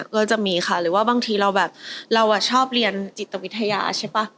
ก็จะมีค่ะหรือว่าบางทีเราแบบเราชอบเรียนจิตวิทยาใช่ป่ะ